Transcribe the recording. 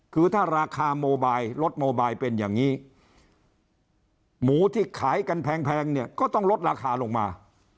คือถ้าราคาโมบายรถโมบายเป็นอย่างนี้หมูที่ขายกันแพงเนี่ยก็ต้องลดราคาลงมา